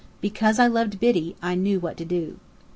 Because I loved Biddy, I knew what to do.